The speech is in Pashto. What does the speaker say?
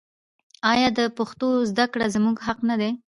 آیا د پښتو زده کړه زموږ حق نه دی؟